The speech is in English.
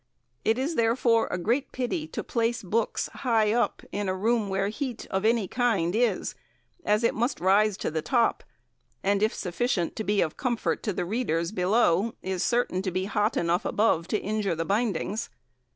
It is, therefore, a great pity to place books high up in a room where heat of any kind is as it must rise to the top, and if sufficient to be of comfort to the readers below, is certain to be hot enough above to injure the bindings.